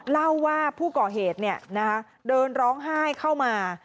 เล่าว่าผู้ก่อเหตุเดินร้องไห้เข้ามา